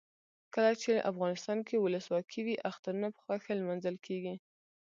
کله چې افغانستان کې ولسواکي وي اخترونه په خوښۍ لمانځل کیږي.